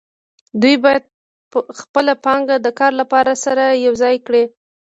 دوی باید خپله پانګه د کار لپاره سره یوځای کړي